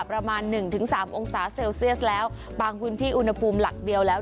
ประมาณหนึ่งถึงสามองศาเซลเซียสแล้วบางพื้นที่อุณหภูมิหลักเดียวแล้ว